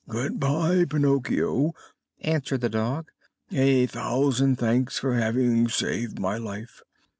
"Good bye, Pinocchio," answered the dog; "a thousand thanks for having saved my life.